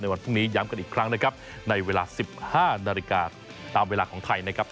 วันพรุ่งนี้ย้ำกันอีกครั้งนะครับในเวลา๑๕นาฬิกาตามเวลาของไทยนะครับ